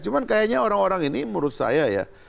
cuman kayaknya orang orang ini menurut saya ya